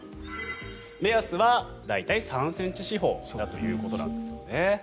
目安は大体３ｃｍ四方だということなんですよね。